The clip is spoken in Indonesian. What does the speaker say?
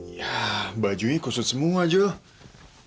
ya bajunya kusut semua jules